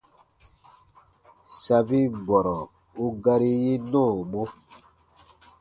Sabin bɔrɔ u gari yi nɔɔmɔ.